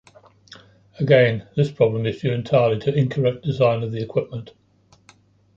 Again, this problem is due entirely to incorrect design of the equipment.